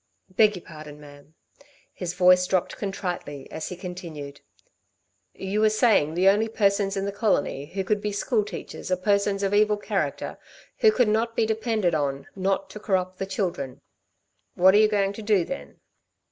"Beg your pardon, ma'am" his voice dropped contritely as he continued "You were saying the only persons in the colony who could be school teachers are persons of evil character who could not be depended on not to corrupt the children. What are you going to do then?"